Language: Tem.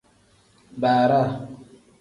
Baaraa.